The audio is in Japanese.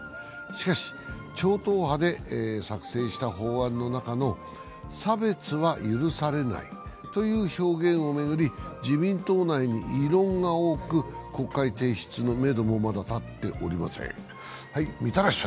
しかし超党派で作成した法案の中の、「差別は許されない」という表現を巡り自民党内に異論が多く、国会提出のめどもまだ立っておりません。